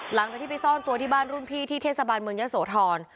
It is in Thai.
หลังจากที่ไปซ่อนตัวที่บ้านรุ่นพี่ที่เทศบาลเมืองยะโสธร